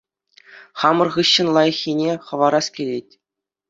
Хамӑр хыҫҫӑн лайӑххине хӑварас килет